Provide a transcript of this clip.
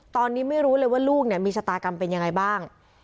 ตอนนี้ไม่รู้เลยว่าลูกมีชะตากรรมเป็นยังไงบ้าง